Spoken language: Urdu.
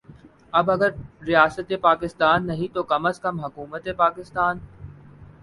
اب اگر ریاست پاکستان نہیں تو کم از کم حکومت پاکستان